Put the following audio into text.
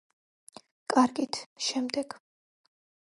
კარგით, შემდეგ.